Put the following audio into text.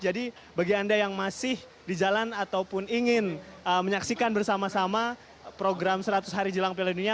jadi bagi anda yang masih di jalan ataupun ingin menyaksikan bersama sama program seratus hari jelang piala dunia